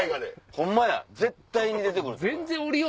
ホンマや絶対に出て来るとこや。